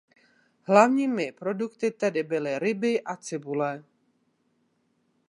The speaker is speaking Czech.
Hlavními produkty tehdy byly ryby a cibule.